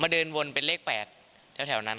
มาเดินวนเป็นเลข๘เท่านั้น